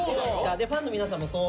でファンの皆さんもそう。